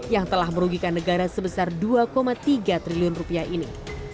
yang telah merugikan negara sebesar dua tiga triliun rupiah ini